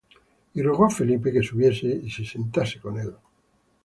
Y rogó á Felipe que subiese, y se sentase con él.